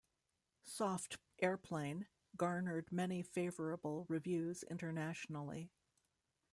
"Soft Airplane" garnered many favourable reviews internationally.